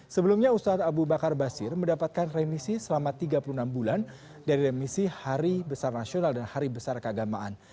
sebelumnya ustadz abu bakar basir mendapatkan remisi selama tiga puluh enam bulan dari remisi hari besar nasional dan hari besar keagamaan